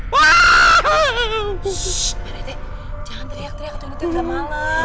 parete jangan teriak teriak tuh nanti terkemales